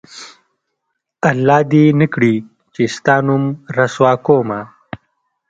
الله دې نه کړي چې ستا نوم رسوا کومه